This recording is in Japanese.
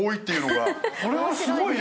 これはすごいね。